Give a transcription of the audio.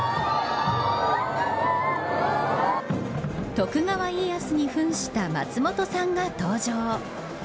徳川家康に扮した松本さんが登場。